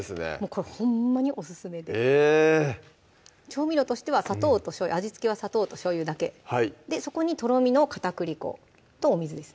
これほんまにオススメで調味料としては砂糖としょうゆ味付けは砂糖としょうゆだけでそこにとろみの片栗粉とお水ですね